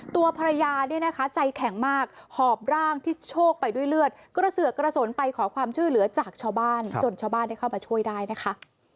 ตัวภรรยาเนี่ยนะคะใจแข็งมากหอบร่างที่โชคไปด้วยเลือดกระเสือกกระสนไปขอความช่วยเหลือจากชาวบ้านจนชาวบ้านได้เข้ามาช่วยได้นะคะ